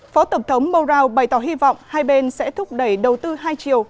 phó tổng thống moraw bày tỏ hy vọng hai bên sẽ thúc đẩy đầu tư hai chiều